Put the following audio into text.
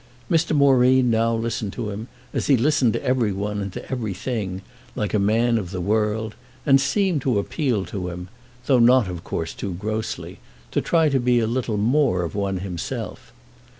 Mr. Moreen now listened to him, as he listened to every one and to every thing, like a man of the world, and seemed to appeal to him—though not of course too grossly—to try and be a little more of one himself.